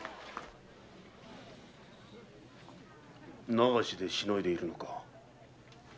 「流し」で凌いでいるのか。